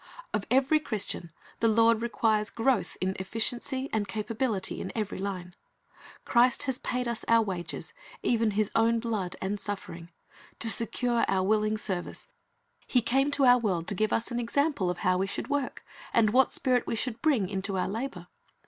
Of eveiy Christian the Lord requires growth in efficiency and capability in every line. Christ has paid us our wages, even His own blood and suffering, to secure our willing Talents 331 service. He came to our world to give us an example of how we should work, and what spirit we should bring into our labor.